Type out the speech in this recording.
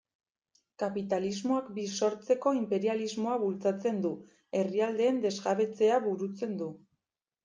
Kapitalismoak birsortzeko inperialismoa bultzatzen du, herrialdeen desjabetzea burutzen du...